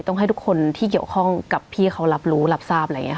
ต้องให้ทุกคนที่เกี่ยวข้องกับพี่เขารับรู้รับทราบ